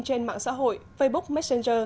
trên mạng xã hội facebook messenger